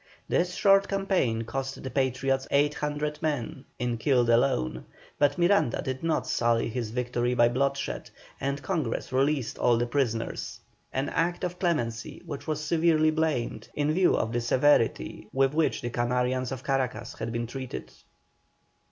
This short campaign cost the Patriots 800 men in killed alone, but Miranda did not sully his victory by bloodshed, and Congress released all the prisoners, an act of clemency which was severely blamed, in view of the severity with which the Canarians of Caracas had been treated.